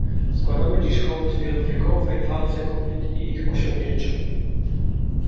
Składamy dziś hołd wielowiekowej walce kobiet i ich osiągnięciom